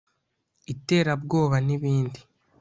iterabwoba n’ibindi